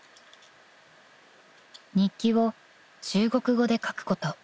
［日記を中国語で書くこと］